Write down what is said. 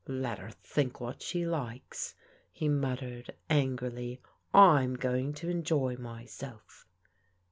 " Let her think what she likes," he muttered angrily. " I'm going to enjoy myself."